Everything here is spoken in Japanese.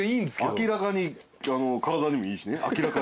明らかに体にもいいしね。